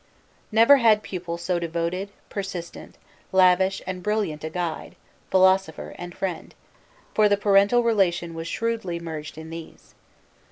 Never had pupil so devoted, persistent, lavish, and brilliant a guide, philosopher, and friend, for the parental relation was shrewdly merged in these.